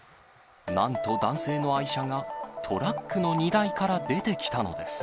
なんと、男性の愛車がトラックの荷台から出てきたのです。